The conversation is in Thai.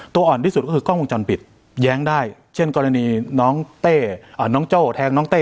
ตัวอ่อนที่สุดก็คือกล้องวงจรปิดแย้งได้เช่นกรณีน้องเต้น้องโจ้แทงน้องเต้